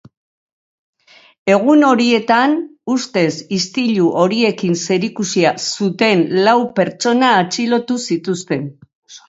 Egun horietan ustez istilu horiekin zerikusia zuten lau pertsona atxilotu zituzten.